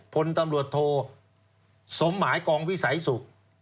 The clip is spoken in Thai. พลตำรวจโทสมหมายกองวิสัยสุข